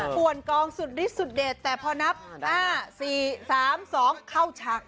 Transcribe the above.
ส่วนกองสุดฤทธสุดเด็ดแต่พอนับ๕๔๓๒เข้าฉาก